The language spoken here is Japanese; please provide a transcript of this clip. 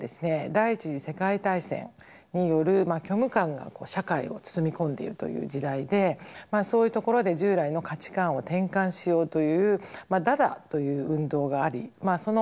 第１次世界大戦による虚無感が社会を包み込んでいるという時代でそういうところで従来の価値観を転換しようというダダという運動がありその潮流の中にもありました。